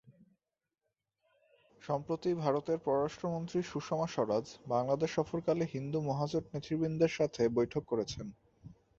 সম্প্রতি ভারতের পররাষ্ট্র মন্ত্রী সুষমা স্বরাজ বাংলাদেশ সফরকালে হিন্দু মহাজোট নেতৃবৃন্দের সাথে বৈঠক করেছেন।